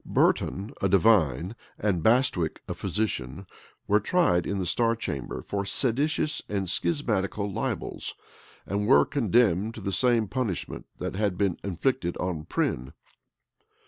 {1637.} Burton, a divine, and Bastwick, a physician, were tried in the star chamber for seditious and schismatical libels, and were condemned to the same punishment that had been inflicted on Prynne.